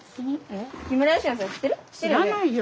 知らないよ